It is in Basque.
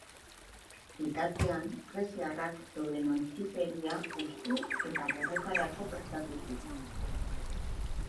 Bitartean, greziarrak euren ontziteria hustu eta borrokarako prestatu ziren.